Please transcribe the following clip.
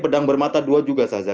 pedang bermata dua juga saza